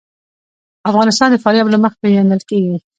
افغانستان د فاریاب له مخې پېژندل کېږي.